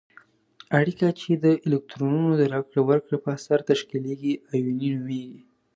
اړیکه چې د الکترونونو د راکړې ورکړې په اثر تشکیلیږي آیوني نومیږي.